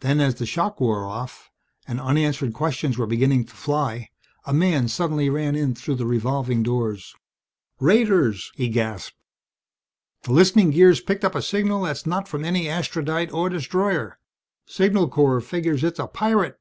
Then, as the shock wore off and unanswered questions were beginning to fly, a man suddenly ran in through the revolving doors. "Raiders!" he gasped. "The listening gear's picked up a signal that's not from any Astrodite or destroyer. Signal Corps figures it's a pirate!"